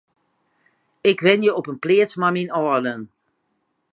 Ik wenje op in pleats mei myn âlden.